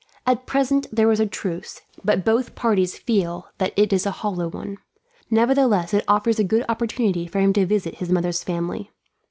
At present there is a truce, but both parties feel that it is a hollow one; nevertheless it offers a good opportunity for him to visit his mother's family.